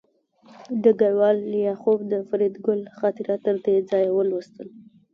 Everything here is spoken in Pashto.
ډګروال لیاخوف د فریدګل خاطرات تر دې ځایه ولوستل